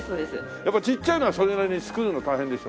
やっぱちっちゃいのはそれなりに作るの大変でしょ？